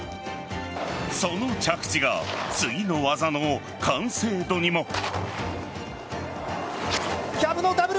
その着地が次の技の完成度にも。